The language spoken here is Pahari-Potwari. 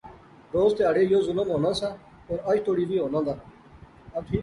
روز تہاڑے یو ظلم ہونا سا اور اج توڑی وی ہونا دا